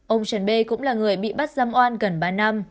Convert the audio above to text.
ông trần bê cũng là người bị bắt giam oan gần ba năm